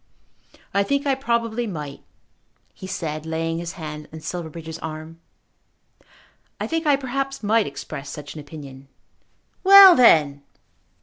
"I think I probably might," he said, laying his hand on Silverbridge's arm. "I think I perhaps might express such an opinion." "Well then!"